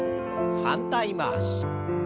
反対回し。